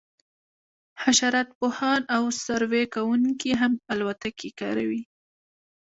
حشرات پوهان او سروې کوونکي هم الوتکې کاروي